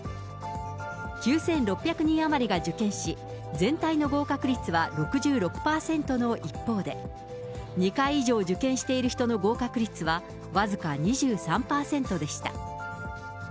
９６００人余りが受験し、全体の合格率は６６％の一方で、２回以上受験している人の合格率は僅か２３％でした。